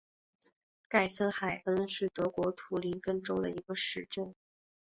盖森海恩是德国图林根州的一个市镇。